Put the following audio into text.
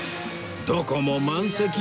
どこも満席。